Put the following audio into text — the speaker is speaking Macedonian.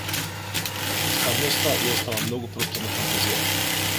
Стварноста ѝ остава многу простор на фантазијата.